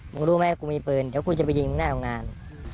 มึงรู้มั้ยกูมีปืนเดี๋ยวกูจะไปยิงมึงหน้าโรงงาน